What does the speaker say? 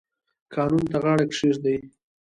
قانون ته غاړه کیږدئ